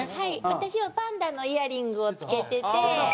私もパンダのイヤリングを着けてて。